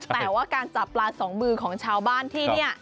แต่ว่าการจับปลาสองมือของชาวบ้านที่นี่